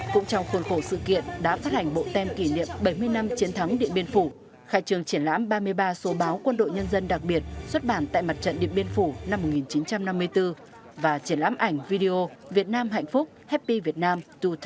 cũng trong khuôn khổ sự kiện đã phát hành bộ tem kỷ niệm bảy mươi năm chiến thắng điện biên phủ khai trường triển lãm ba mươi ba số báo quân đội nhân dân đặc biệt xuất bản tại mặt trận điện biên phủ năm một nghìn chín trăm năm mươi bốn và triển lãm ảnh video việt nam hạnh phúc happy vietnam hai nghìn hai mươi bốn